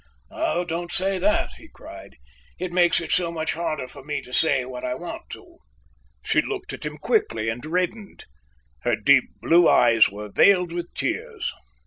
"Oh, don't say that," he cried. "It makes it so much harder for me to say what I want to." She looked at him quickly and reddened. Her deep blue eyes were veiled with tears.